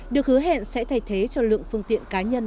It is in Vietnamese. được hứa hẹn sẽ thay thế cho lượng phương tiện cá nhân